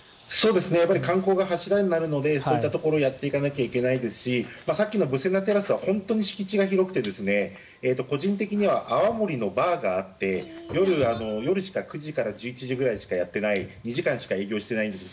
観光が柱になるのでそういったところをやっていかなきゃいけないですしさっきのブセナテラスは本当に敷地が広くて個人的には泡盛のバーがあって夜は９時から１１時くらいしかやっていない２時間しか営業していないんです